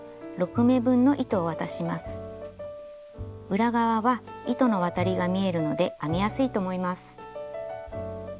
裏側は糸の渡りが見えるので編みやすいと思います。